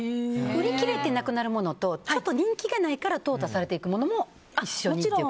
売り切れてなくなるものと人気がないから淘汰されていくものも一緒にという感じで。